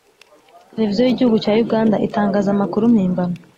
Televiziyo y’igihugu cya Uganda itangaza amakuru mpimbano